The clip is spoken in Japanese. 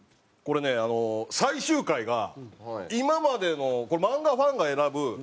これね最終回が今までの漫画ファンが選ぶ